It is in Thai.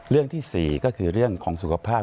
เรื่องที่๔ก็คือเรื่องของสุขภาพ